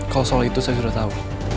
kalau soal itu saya sudah tahu